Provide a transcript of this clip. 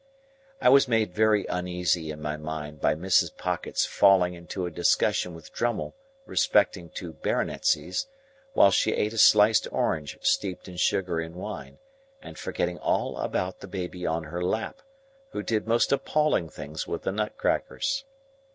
I was made very uneasy in my mind by Mrs. Pocket's falling into a discussion with Drummle respecting two baronetcies, while she ate a sliced orange steeped in sugar and wine, and, forgetting all about the baby on her lap, who did most appalling things with the nut crackers.